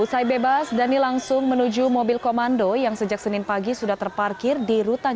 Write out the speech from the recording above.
usai bebas dhani langsung menuju mobil komando yang sejak senin pagi sudah terparkir di rutan